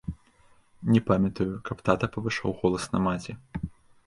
Не памятаю, каб тата павышаў голас на маці.